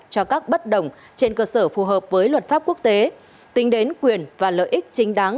cho các bất đồng trên cơ sở phù hợp với luật pháp quốc tế tính đến quyền và lợi ích chính đáng